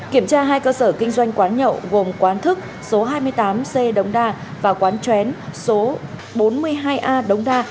kiểm tra hai cơ sở kinh doanh quán nhậu gồm quán thức số hai mươi tám c đống đa và quán chén số bốn mươi hai a đống đa